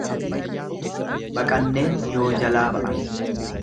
Baqanneen yoo jalaa ba'an.